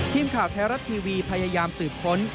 ทีมข่าวไทยรัฐทีวีพยายามสืบค้น